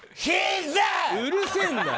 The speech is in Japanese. うるせえんだよ！